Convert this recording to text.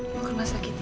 mau ke rumah sakit ya